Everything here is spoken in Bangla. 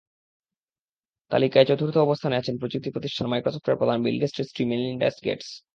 তালিকায় চতুর্থ অবস্থানে আছেন প্রযুক্তিপ্রতিষ্ঠান মাইক্রোসফটের প্রধান বিল গেটসের স্ত্রী মেলিন্ডা গেটস।